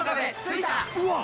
うわっ！